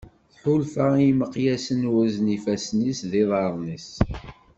Tḥulfa i yimeqyasen urzen ifassen-is d yiḍarren-is.